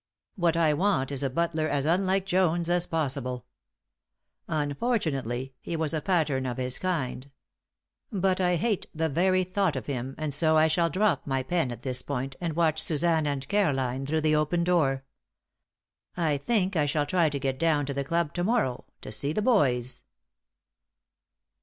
What I want is a butler as unlike Jones as possible. Unfortunately, he was a pattern of his kind. But I hate the very thought of him, and so I shall drop my pen at this point and watch Suzanne and Caroline through the open door. I think I shall try to get down to the club to morrow to see the boys.